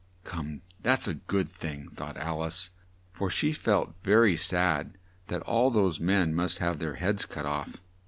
"Come, that's a good thing," thought Al ice, for she felt ver y sad that all those men must have their heads cut off.